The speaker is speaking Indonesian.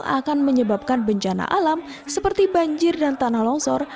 akan menyebabkan bencana alam seperti banjir dan tanah longsor